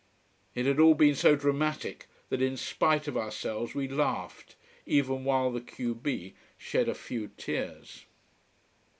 It had all been so dramatic that in spite of ourselves we laughed, even while the q b shed a few tears.